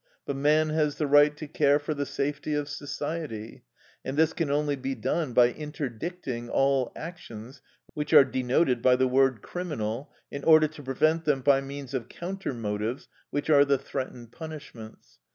But man has the right to care for the safety of society; and this can only be done by interdicting all actions which are denoted by the word "criminal," in order to prevent them by means of counter motives, which are the threatened punishments.